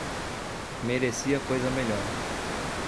Merecia coisa melhor